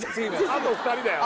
あと２人だよ